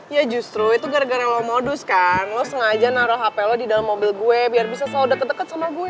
ya justru itu gara gara lo modus kan lo sengaja naruh hp lo di dalam mobil gue biar bisa selalu deket deket sama gue